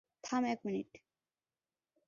থাম এক মিনিট!